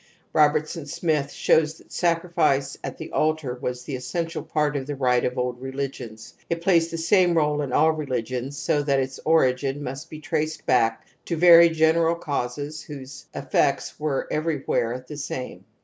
Robertson Smith shows that(sacrifi ce at the altar Wa.^ fhr ^gg^r^fiQl p^i>f r^t rni^ nr^ py nF^ ^ religions. ) It plays the same r61e in all religions, soTtEatits origin must be traced back to very general causes whose effects were everywhere , the same.